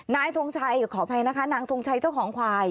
ทงชัยขออภัยนะคะนางทงชัยเจ้าของควาย